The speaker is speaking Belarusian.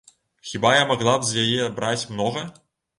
Хіба я магла б з яе браць многа?